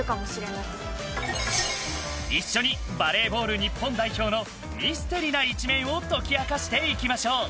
一緒にバレーボール日本代表のミステリな一面を解き明かしていきましょう。